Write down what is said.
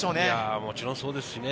もちろんそうですね。